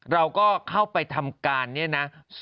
เราก็เข้าไปทำการเนี่ยนะ